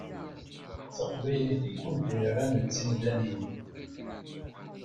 D taqbaylit i kent-yerran d timdanin.